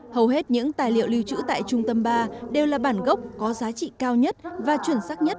hầu hết những tài liệu lưu trữ tại trung tâm ba đều là bản gốc có giá trị cao nhất và chuẩn sắc nhất